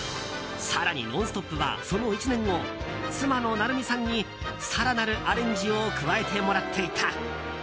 更に「ノンストップ！」はその１年後、妻の成美さんに更なるアレンジを加えてもらっていた。